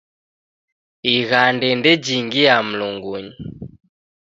Ighande ndejingia Mlungunyi.